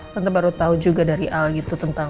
tante baru tahu juga dari el gitu tentang